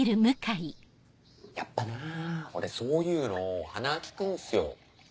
やっぱな俺そういうの鼻利くんすよ。